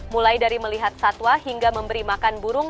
mulai dari melihat satwa hingga memberi makan burung